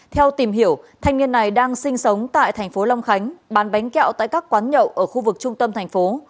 theo tìm hiểu thanh niên này đang sinh sống tại thành phố long khánh bán bánh kẹo tại các quán nhậu ở khu vực trung tâm thành phố